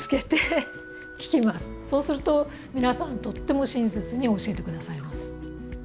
そうすると皆さんとっても親切に教えて下さいます。